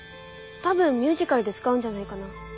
多分ミュージカルで使うんじゃないかな。